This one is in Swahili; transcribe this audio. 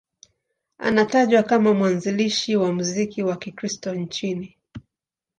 Anatajwa kama mwanzilishi wa muziki wa Kikristo nchini.